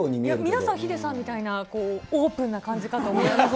皆さん、ヒデさんみたいなオープンな感じかと思いました。